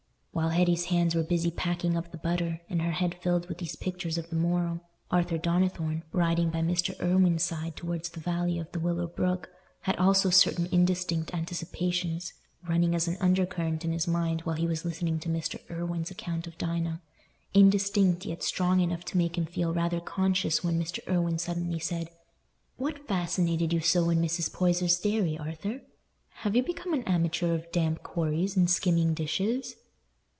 While Hetty's hands were busy packing up the butter, and her head filled with these pictures of the morrow, Arthur Donnithorne, riding by Mr. Irwine's side towards the valley of the Willow Brook, had also certain indistinct anticipations, running as an undercurrent in his mind while he was listening to Mr. Irwine's account of Dinah—indistinct, yet strong enough to make him feel rather conscious when Mr. Irwine suddenly said, "What fascinated you so in Mrs. Poyser's dairy, Arthur? Have you become an amateur of damp quarries and skimming dishes?"